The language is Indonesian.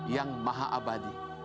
yang maha abadi